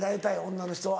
女の人は。